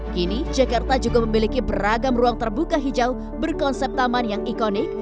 kini jakarta juga memiliki beragam ruang terbuka hijau berkonsep taman yang ikonik